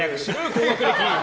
高学歴！